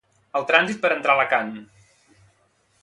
El trànsit per entrar a Alacant.